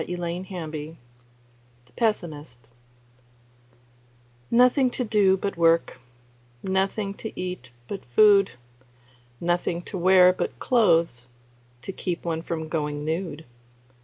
Ben King The Pessimist NOTHING to do but work, Nothing to eat but food, Nothing to wear but clothes To keep one from going nude.